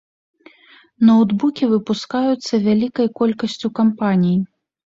Ноўтбукі выпускаюцца вялікай колькасцю кампаній.